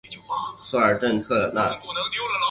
镇治索尔多特纳。